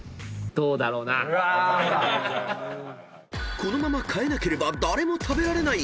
［このまま変えなければ誰も食べられない］